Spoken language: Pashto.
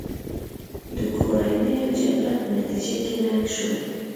د کورنیو جګړو په نتیجه کې ړنګ شو.